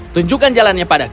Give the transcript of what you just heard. tunjukkan jalannya padaku